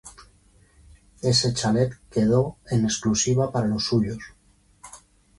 Ese chalet quedó en exclusiva para los suyos.